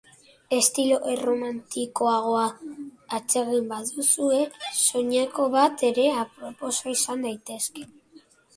Estilo erromantikoagoa atsegin baduzue, soineko bat ere aproposa izan daiteke.